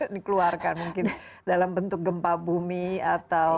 dikeluarkan mungkin dalam bentuk gempa bumi atau